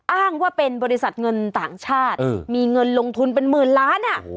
อ้างว่าเป็นบริษัทเงินต่างชาติมีเงินลงทุนเป็นหมื่นล้าน